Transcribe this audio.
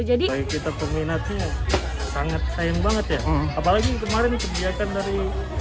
jadi kita peminatnya sangat sayang banget ya apalagi kemarin kebijakan dari